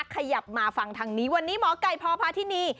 ขยับมาฟังทางนี้วันนี้หมอไก่พพาธินี